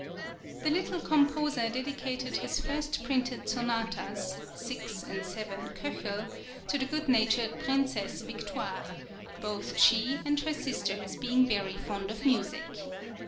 The little composer dedicated his first printed sonatas (6, 7, K.), to the good natured Princesse Victoire, both she and her sisters being very fond of music.